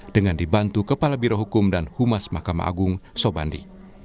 dengan dibantu kepala birohukum dan humas mahkamah agung sobandi